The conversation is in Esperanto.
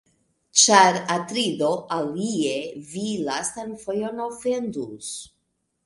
Ĉar, Atrido, alie vi lastan fojon ofendus.